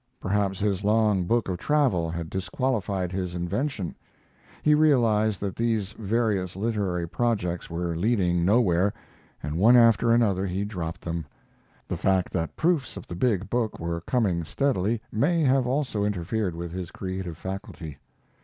Perhaps his long book of travel had disqualified his invention. He realized that these various literary projects were leading nowhere, and one after another he dropped them. The fact that proofs of the big book were coming steadily may also have interfered with his creative faculty.